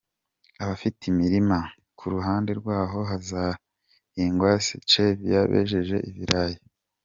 Abafite imirima ku ruhande rw’aho hazahingwa Stevia bejeje ibirayi.